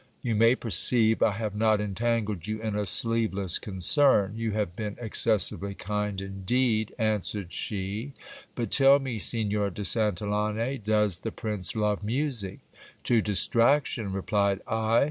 You may perceive, I have not entangled you in a sleeveless concern. You have been excessively kind indeed, answered she ; but tell me, Signor de Santillane, does the prince love music ? To distraction, replied I.